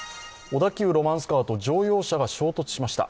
小田急ロマンスカーと乗用車が衝突しました。